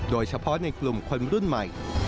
โดยเฉพาะในกลุ่มคนรุ่นใหม่